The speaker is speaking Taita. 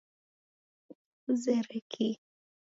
Nikuzere kii